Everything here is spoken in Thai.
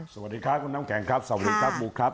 สวัสดีครับคุณน้ำแข็งครับสวัสดีครับบุ๊คครับ